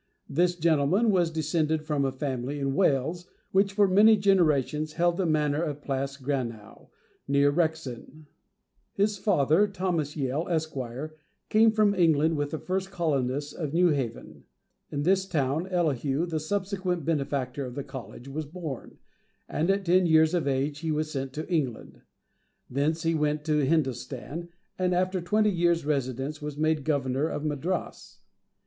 This gentleman was descended from a family in Wales, which for many generations held the manor of Plas Grannow, near Rexon. His father, Thomas Yale, Esq., came from England with the first colonists of New Haven. In this town, Elihu, the subsequent benefactor of the College, was born, and at ten years of age he was sent to England. Thence he went to Hindostan, and after twenty years' residence, was made Governor of Madras.